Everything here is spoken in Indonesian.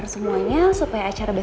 terima kasih institute media games